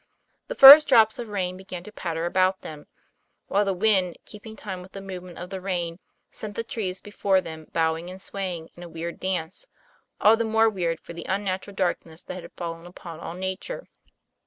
The first drops of rain began to patter about them, while the wind keeping time with the movement of the rain sent the trees before them bowing and sway ing in a weird dance, all the more weird for the un natural darkness that had fallen upon all nature.